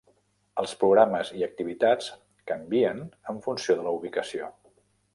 Els programes i activitats canvien en funció de la ubicació.